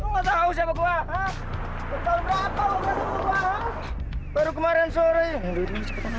gue ke satu tempat dulu ya